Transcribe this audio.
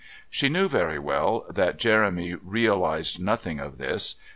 She knew very well that Jeremy realised nothing of this.